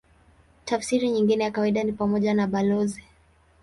Tafsiri nyingine ya kawaida ni pamoja na balozi.